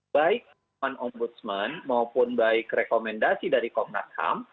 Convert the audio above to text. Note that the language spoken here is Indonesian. baik one ombudsman maupun baik rekomendasi dari komnas ham